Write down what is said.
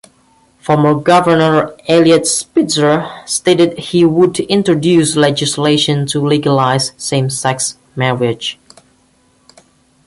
Former Governor Eliot Spitzer stated he would introduce legislation to legalize same-sex marriage.